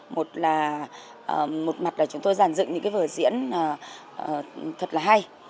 một là một mặt là chúng tôi giàn dựng những cái vở diễn thật là hay